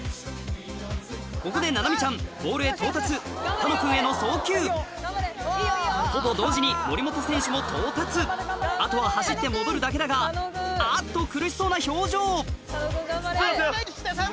ここで菜々美ちゃんボールへ到達楽君への送球ほぼ同時に森本選手も到達あとは走って戻るだけだがあっと苦しそうな表情！